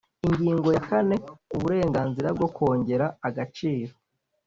Ingingo ya kane Uburenganzira bwo kongera agaciro